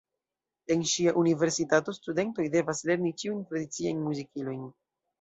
En ŝia universitato studentoj devas lerni ĉiujn tradiciajn muzikilojn.